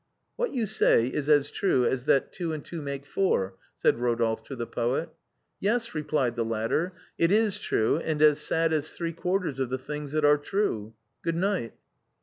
'"" What you say is as true as that two and two make four/' said Eodolphe to the poet. " Yes," replied the latter, " it is true, and as sad as three quarters of the things that are true. Good night."